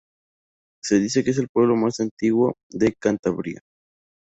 Se dice que es el pueblo más antiguo de Cantabria.